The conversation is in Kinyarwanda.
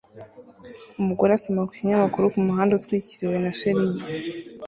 Umugore asoma ku kinyamakuru kumuhanda utwikiriwe na shelegi